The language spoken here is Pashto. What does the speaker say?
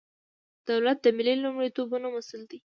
دولت د ملي لومړیتوبونو مسئول دی.